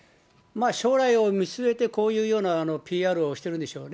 将来を見据えて、こういうようなＰＲをしてるんでしょうね。